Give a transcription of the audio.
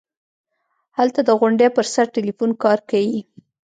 هلته د غونډۍ پر سر ټېلفون کار کيي.